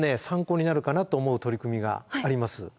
参考になるかなと思う取り組みがあります。